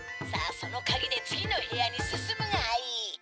さあそのかぎで次の部屋に進むがいい」。